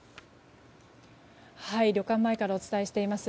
旅館前からお伝えしています。